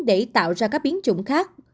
để tạo ra các biến chủng khác